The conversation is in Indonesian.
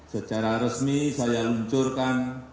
secara resmi saya luncurkan